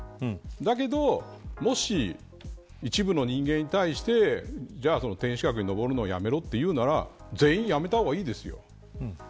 だけど、もし一部の人間に対してじゃあ、天守閣に上るのをやめろというなら全員やめた方がいいですよ。